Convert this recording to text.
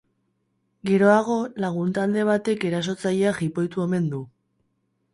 Geroago, lagun talde batek erasotzailea jipoitu omen du.